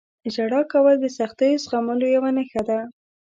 • ژړا کول د سختیو زغملو یوه نښه ده.